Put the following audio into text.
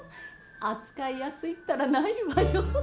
扱いやすいったらないわよ。